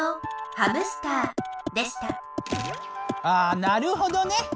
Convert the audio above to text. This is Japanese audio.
あなるほどね。